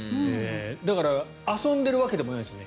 だから遊んでるわけでもないんですね。